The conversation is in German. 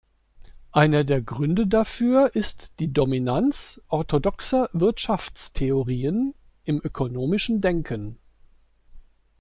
Einer der Gründe dafür ist die Dominanz orthodoxer Wirtschaftstheorien im ökonomischen Denken.